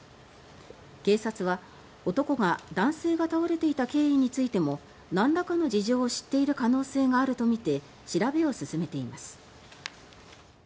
警察は男が男性が倒れていた経緯についてもなんらかの事情を知っている可能性があるとみて調べを進めています。